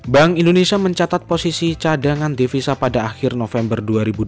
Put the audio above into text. bank indonesia mencatat posisi cadangan devisa pada akhir november dua ribu dua puluh